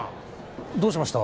どうしました？